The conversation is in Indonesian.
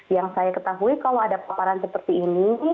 yang saya ketahui kalau ada paparan seperti ini